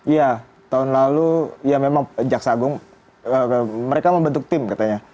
ya tahun lalu ya memang jaksa agung mereka membentuk tim katanya